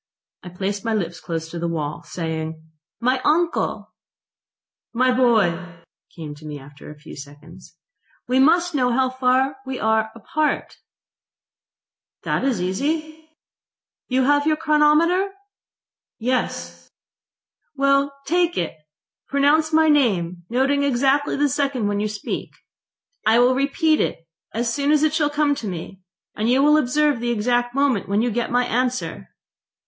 I placed my lips close to the wall, saying: "My uncle!" .... "My boy!" came to me after a few seconds. .... "We must know how far we are apart." .... "That is easy." .... "You have your chronometer?" ... "Yes." .... "Well, take it. Pronounce my name, noting exactly the second when you speak. I will repeat it as soon as it shall come to me, and you will observe the exact moment when you get my answer."